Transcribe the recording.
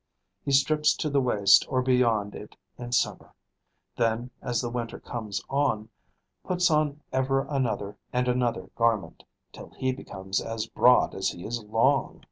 He strips to the waist or beyond it in summer; then, as the winter comes on, puts on ever another and another garment, till he becomes as broad as he is long.